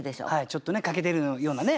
ちょっとね欠けてるようなね。